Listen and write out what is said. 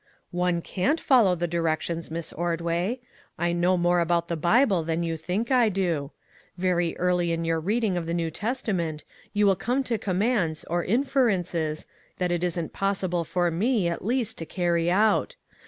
" One can't follow the directions, Miss Ord way. I know more about the Bible than you think I do. Very early in your reading of the New Testament you will come to commands or inferences, that it isn't possible for me, at least, to carry out.